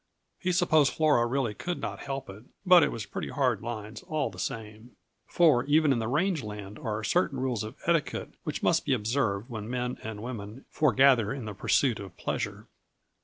He supposed Flora really could not help it, but it was pretty hard lines, all the same. For even in the range land are certain rules of etiquette which must be observed when men and women foregather in the pursuit of pleasure.